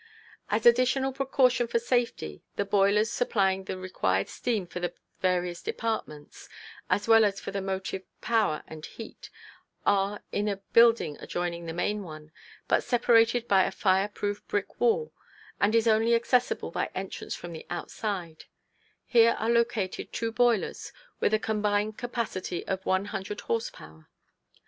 As additional precaution for safety, the boilers supplying the required steam for the various departments, as well as for the motive power and heat, are in a building adjoining the main one, but separated by a fire proof brick wall, and is only accessible by entrance from the outside; here are located two boilers, with a combined capacity of one hundred horse power.